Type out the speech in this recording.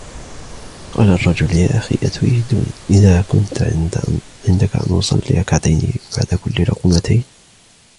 قال الرجل يا أخي أتريد إذا كنت عندك أن أصلى ركعتين بعد كل لقمتين